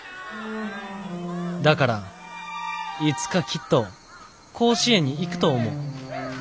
だからいつかきっと甲子園に行くと思う」。